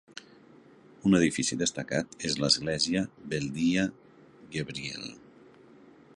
Un edifici destacat és l'església Weldiya Gebri'el.